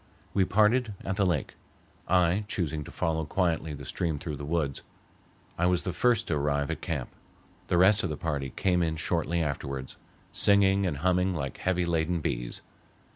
We parted at the lake, I choosing to follow quietly the stream through the woods. I was the first to arrive at camp. The rest of the party came in shortly afterwards, singing and humming like heavy laden bees.